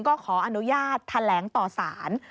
ก็ขออนุญาตแถลงต่อสาร